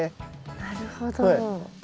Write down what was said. なるほど。